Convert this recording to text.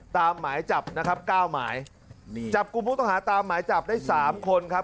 ตามหมายจับนะครับ๙หมายจับกลุ่มพวกต่อหาตามหมายจับได้๓คนครับ